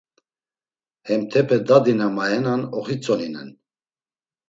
Hentepe dadi na mayenan oxitzoninen.